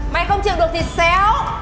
mày không chịu được thịt xéo